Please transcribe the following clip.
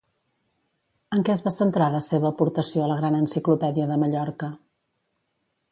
En què es va centrar la seva aportació a la Gran Enciclopèdia de Mallorca?